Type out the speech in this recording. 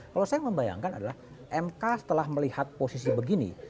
kalau saya membayangkan adalah mk setelah melihat posisi begini